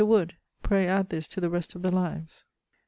Wood! pray add this to the rest of the lives.